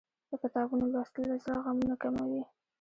د کتابونو لوستل له زړه غمونه کموي.